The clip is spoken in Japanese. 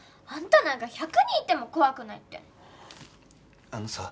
あんたなんか１００人いても怖くないっての。